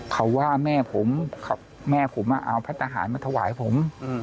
เขาว่าเม่าผมเม่าผมเอาพระทหารมาถวายผม